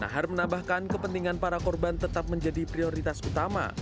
nahar menambahkan kepentingan para korban tetap menjadi prioritas utama